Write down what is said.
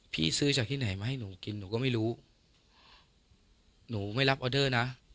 ซื้อจากที่ไหนมาให้หนูกินหนูก็ไม่รู้หนูไม่รับออเดอร์นะ